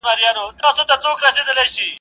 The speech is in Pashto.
تعاون د یوې پیاوړې ټولني د جوړولو راز دی.